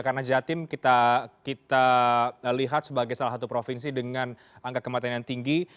karena jatim kita lihat sebagai salah satu provinsi dengan angka kematian yang tinggi